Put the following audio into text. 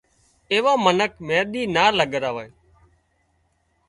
ايوان منک مينۮِي نا لڳراوي